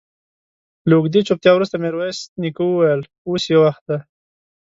له اوږدې چوپتيا وروسته ميرويس نيکه وويل: اوس يې وخت دی.